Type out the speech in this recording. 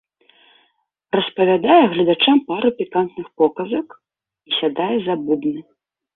Распавядае гледачам пару пікантных показак і сядае за бубны.